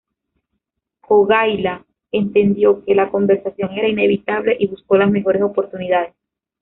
Jogaila entendió que la conversión era inevitable y buscó las mejores oportunidades.